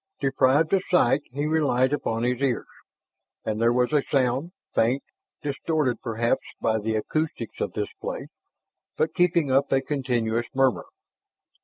Deprived of sight, he relied upon his ears. And there was a sound, faint, distorted perhaps by the acoustics of this place, but keeping up a continuous murmur.